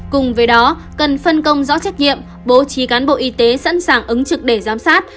cùng với đó cần phân công rõ trách nhiệm bố trí cán bộ y tế sẵn sàng ứng trực để giám sát